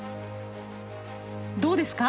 どうですか？